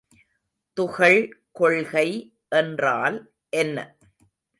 துகள் கொள்கை என்றால் என்ன?